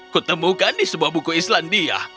kutemukan di sebuah buku islandia